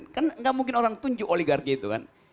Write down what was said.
kan nggak mungkin orang tunjuk oligarki itu kan